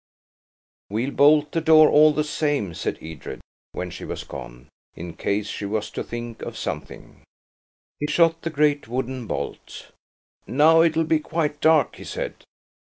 "We'll bolt the door, all the same," said Edred, when she was gone, "in case she was to think of something," He shot the great wooden bolt. "Now it'll be quite dark," he said.